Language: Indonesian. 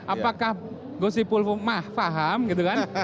apakah gus wipul mafaham gitu kan